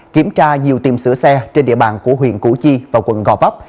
kiểm tra nhiều tiệm sửa xe trên địa bàn của huyện củ chi và quận gò vấp